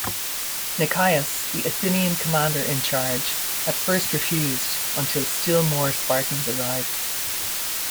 Nicias, the Athenian commander in charge, at first refused, until still more Spartans arrived.